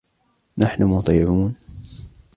نحن مطيعون.